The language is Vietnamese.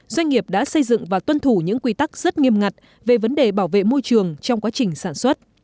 doanh nghiệp đã xây dựng và tuân thủ những quy tắc rất nghiêm ngặt về vấn đề bảo vệ môi trường trong quá trình sản xuất